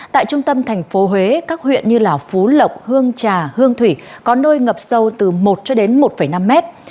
tại trung tâm thành phố huế các huyện như phú lộc hương trà hương thủy có nơi ngập sâu từ một cho đến một năm mét